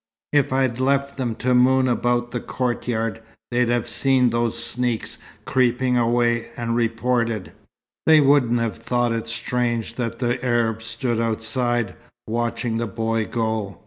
"If I'd left them to moon about the courtyard, they'd have seen those sneaks creeping away, and reported." "They wouldn't have thought it strange that the Arabs stood outside, watching the boy go.